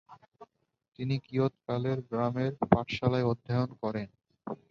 তিনি কিয়ৎকাল গ্রামের পাঠশালায় অধ্যয়ন করেন।